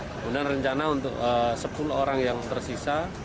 kemudian rencana untuk sepuluh orang yang tersisa